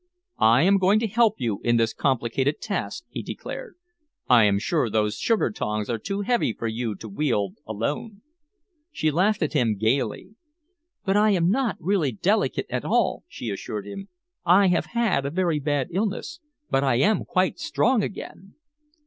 "I am going to help you in this complicated task," he declared. "I am sure those sugar tongs are too heavy for you to wield alone." She laughed at him gaily. "But I am not really delicate at all," she assured him. "I have had a very bad illness, but I am quite strong again."